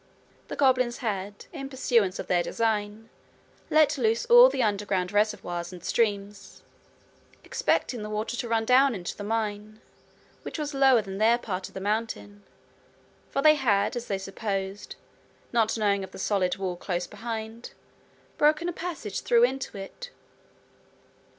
The goblins had, in pursuance of their design, let loose all the underground reservoirs and streams, expecting the water to run down into the mine, which was lower than their part of the mountain, for they had, as they supposed, not knowing of the solid wall close behind, broken a passage through into it.